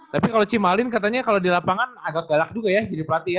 tapi kalo cimarlyn katanya kalo di lapangan agak galak juga ya jadi pelatih ya